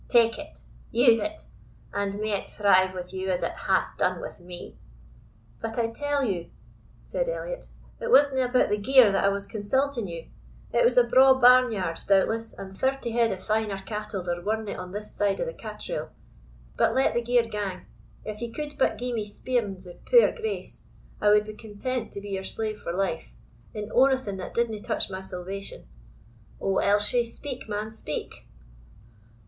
Take it use it, and may it thrive with you as it hath done with me!" "But I tell you," said Elliot, "it wasna about the gear that I was consulting you, it was a braw barn yard, doubtless, and thirty head of finer cattle there werena on this side of the Catrail; but let the gear gang, if ye could but gie me speerings o' puir Grace, I would be content to be your slave for life, in onything that didna touch my salvation. O, Elshie, speak, man, speak!"